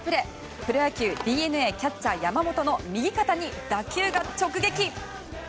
プロ野球、ＤｅＮＡキャッチャー山本の右肩に打球が直撃。